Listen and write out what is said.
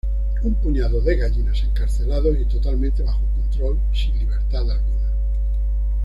Un puñado de gallinas, encarcelados y totalmente bajo control sin libertad alguna.